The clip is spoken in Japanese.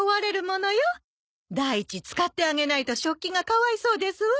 第一使ってあげないと食器がかわいそうですわ。